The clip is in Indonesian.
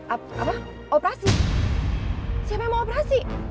apa operasi siapa yang mau operasi